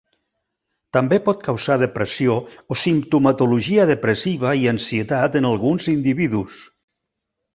També pot causar depressió o simptomatologia depressiva i ansietat en alguns individus.